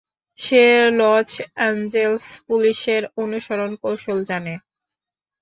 সে Los Angeles পুলিশের অনুসরন কৌশল জানে।